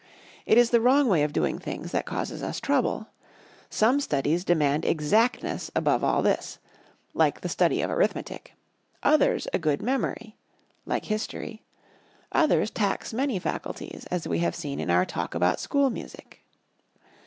It is the wrong way of doing things that causes us trouble. Some studies demand exactness above all this, like the study of Arithmetic others a good memory, like History others tax many faculties, as we have seen in our Talk about School Music.